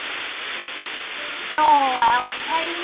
今日はお買い物。